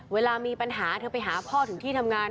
เวลามีปัญหาเธอไปหาพ่อถึงที่ทำงาน